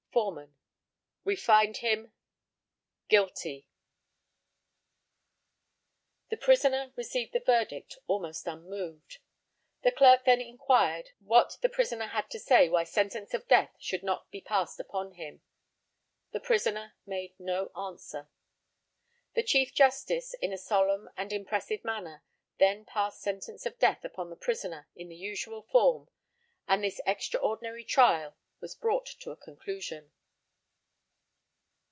Foreman: We find him =GUILTY.= The Prisoner received the verdict almost unmoved. The Clerk then inquired what the prisoner had to say why sentence of death should not be passed upon him. The prisoner made no answer. The Chief Justice, in a solemn and impressive manner, then passed sentence of death upon the prisoner in the usual form, and this extraordinary trial was brought to a conclusion.